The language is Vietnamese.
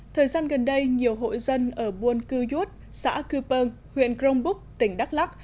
thời gian gần đây nhiều hội dân ở buôn cưu duốt xã cư pơn huyện cronbúc tỉnh đắk lắc